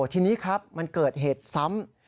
ทีนี้ครับมันเกิดเหตุซ้ำ